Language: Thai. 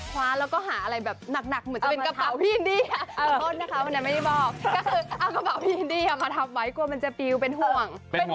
กล้าดเดิม